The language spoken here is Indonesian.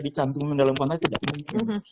dicantumkan dalam kota tidak mungkin